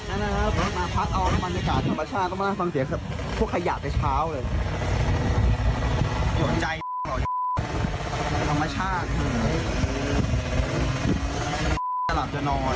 อ่ามันไปเยอะครับไม่ไปเยอะครับ